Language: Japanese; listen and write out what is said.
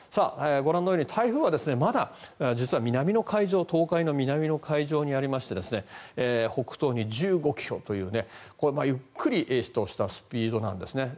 ご覧のように台風はまだ南の海上東海の南の海上にありまして北東に１５ｋｍというゆっくりとしたスピードですね。